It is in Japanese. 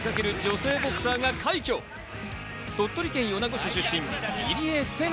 鳥取県米子市出身、入江聖奈